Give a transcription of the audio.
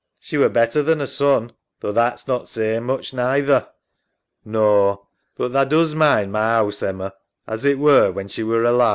EMMA. She were better than 'er son, though that's not say ing much neither. SAM. Naw, but tha does mind ma 'ouse, Emma, as it were when she were alive?